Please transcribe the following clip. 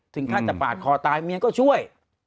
ถึงถ้าจะปากคอตายเมียเธอก็ช่วย